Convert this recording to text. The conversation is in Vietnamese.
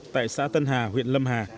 tại xã tân hà huyện lâm hà